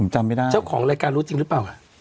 จำไม่ได้เจ้าของรายการรู้จริงหรือเปล่า